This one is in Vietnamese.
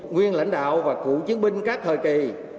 nguyên lãnh đạo và cựu chiến binh các thời kỳ